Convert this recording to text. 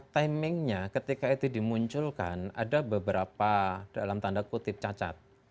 timingnya ketika itu dimunculkan ada beberapa dalam tanda kutip cacat